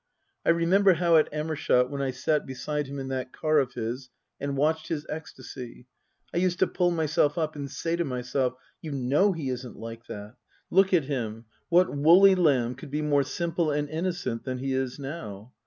I remember how at Amershott, when I sat beside him in that car of his and watched his ecstasy, I used to pull myself up and say to myself, " You know he isn't like that. Look at him what woolly lamb could be more simple and innocent than he is now